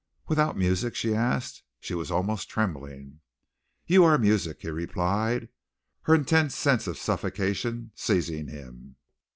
"Without music?" she asked. She was almost trembling. "You are music," he replied, her intense sense of suffocation seizing him.